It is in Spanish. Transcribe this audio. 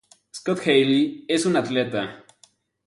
Scott Haley es un atleta.